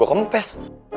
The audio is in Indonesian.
gw pas ramu ternyata karas